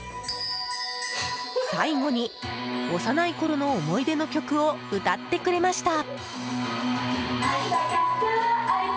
最後に、幼いころの思い出の曲を歌ってくれました。